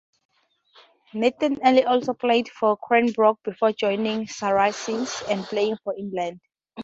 Nathan Earle also played for Cranbrook before joining Saracens and playing for England.